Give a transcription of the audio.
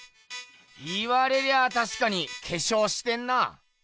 言われりゃあたしかに化粧してんなあ。